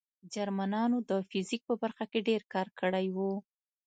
جرمنانو د فزیک په برخه کې ډېر کار کړی و